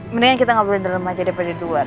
mendingan kita gak boleh dalem aja daripada luar